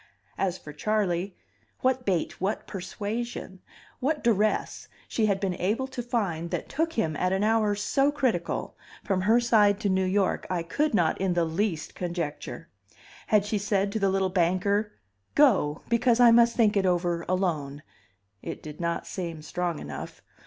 As for Charley, what bait, what persuasion, what duress she had been able to find that took him at an hour so critical from her side to New York, I could not in the least conjecture. Had she said to the little banker, Go, because I must think it over alone? It did not seem strong enough.